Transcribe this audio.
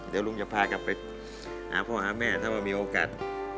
เดี๋ยวลุงจะพากลับไปหาพ่อหาแม่ถ้าว่ามีโอกาส